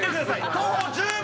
徒歩１０秒。